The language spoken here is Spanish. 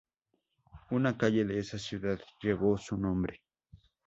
Una calle de esa ciudad lleva su nombre.